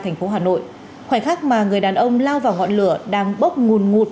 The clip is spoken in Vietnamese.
thành phố hà nội khoảnh khắc mà người đàn ông lao vào ngọn lửa đang bốc nguồn ngụt